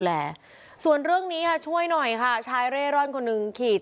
แหละส่วนเรื่องนี้ค่ะช่วยหน่อยค่ะชายเร่ร่อนคนหนึ่งขี่